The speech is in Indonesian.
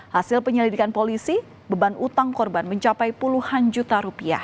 hasil penyelidikan polisi beban utang korban mencapai puluhan juta rupiah